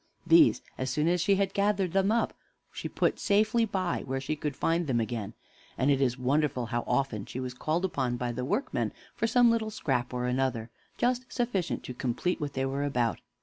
These, as soon as she had gathered them up, she put safely by, where she could find them again; and it is wonderful how often she was called upon by the workmen for some little scrap or another, just sufficient to complete what they were about.